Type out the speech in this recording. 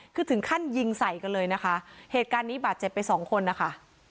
คือถึงขั้นยิงใส่กันเลยนะคะเหตุการณ์นี้บาดเจ็บไปสองคนนะคะ